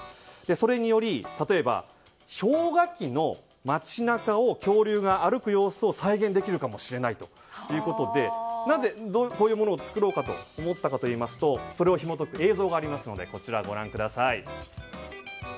それにより、例えば氷河期の街中を恐竜が歩く様子を再現できるかもしれないということでなぜこういうものを作ろうかと思ったかというとそれをひも解く映像がありますのでご覧ください。